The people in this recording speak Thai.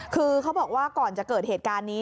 คือเขาบอกว่าก่อนจะเกิดเหตุการณ์นี้